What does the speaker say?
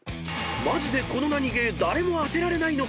［マジでこのナニゲー誰も当てられないのか？］